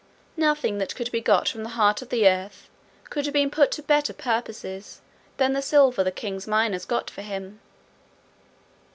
Nothing that could be got from the heart of the earth could have been put to better purposes than the silver the king's miners got for him.